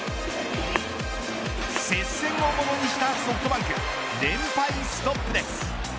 接戦をものにしたソフトバンク連敗ストップです。